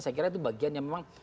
saya kira itu bagian yang memang